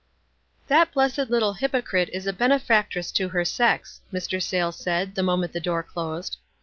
"That blessed little hypocrite is a benefactress to her sex," Mr. Sayles said, the moment the door closed.